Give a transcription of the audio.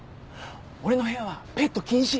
俺の部屋はペット禁止。